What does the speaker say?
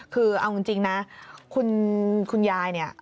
คือเอาจริงจริงนะคุณคุณยายเนี่ย